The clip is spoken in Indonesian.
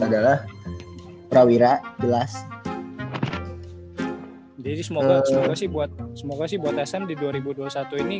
adalah prawira jelas jadi semoga semoga sih buat semoga sih buat sm di dua ribu dua puluh satu ini